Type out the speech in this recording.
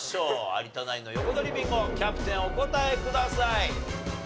有田ナインの横取りビンゴキャプテンお答えください。